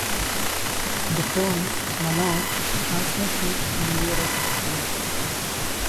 The term "malouf" translates as "familiar" or "customary".